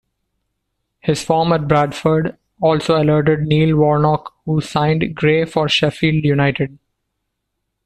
His form at Bradford also alerted Neil Warnock who signed Gray for Sheffield United.